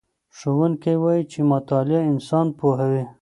ښوونکی وایي چې مطالعه انسان پوهوي.